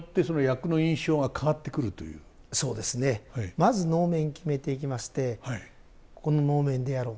まず能面決めていきましてこの能面でやろう。